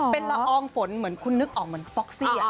เป็นละอองฝนเหมือนคุณนึกออกเหมือนฟ็อกซี่